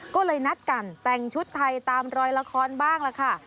ก็เลยนัดกันแต่งชุดไทยตามรอยละครบ้างล่ะค่ะ